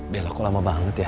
bella kok lama banget ya